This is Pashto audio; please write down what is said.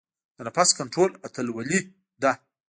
د نفس کنټرول اتلولۍ ده.